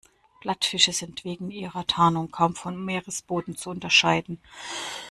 Plattfische sind wegen ihrer Tarnung kaum vom Meeresboden zu unterscheiden.